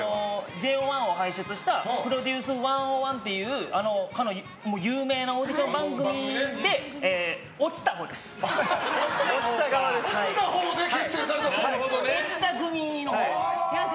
ＪＯ１を輩出した「ＰＲＯＤＵＣＥ１０１」というかの有名なオーディション番組で落ちたほうです。